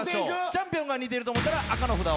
チャンピオンが似ていると思ったら紅の札を。